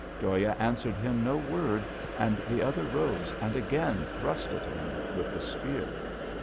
Dhoya answered him no word, and the other rose and again thrust at him with the spear.